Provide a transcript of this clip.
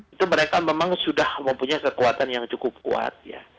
itu mereka memang sudah mempunyai kekuatan yang cukup kuat ya